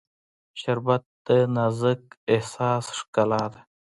شربت د نازک احساس ښکلا ده